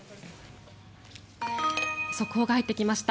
速報が入ってきました。